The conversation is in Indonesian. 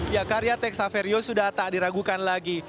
ya karya tex saverio sudah tak diragukan lagi